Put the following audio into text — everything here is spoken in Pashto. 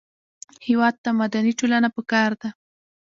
هېواد ته مدني ټولنه پکار ده